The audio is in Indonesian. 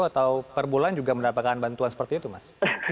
atau per bulan juga mendapatkan bantuan seperti itu mas